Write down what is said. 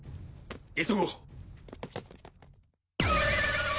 急ごう！